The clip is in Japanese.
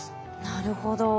なるほど。